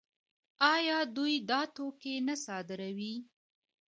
آیا دوی دا توکي نه صادروي؟